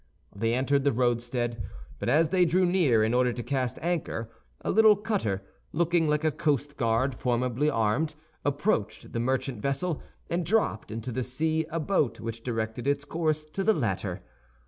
They entered the roadstead; but as they drew near in order to cast anchor, a little cutter, looking like a coastguard formidably armed, approached the merchant vessel and dropped into the sea a boat which directed its course to the ladder.